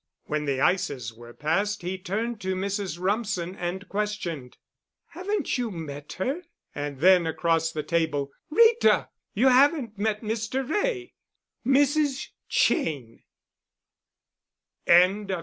When the ices were passed he turned to Mrs. Rumsen and questioned. "Haven't you met her?" And then, across the table, "Rita—you haven't met Mr. Wray—Mrs. Cheyne." *CHAPTER VI* *MRS.